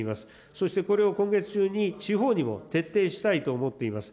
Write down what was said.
そして、これを今月中に地方にも徹底したいと思っています。